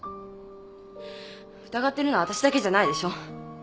疑ってるのはわたしだけじゃないでしょ。